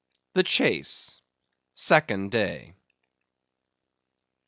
The Chase—Second Day.